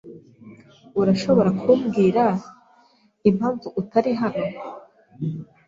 Urashobora kumbwira impamvu atari hano?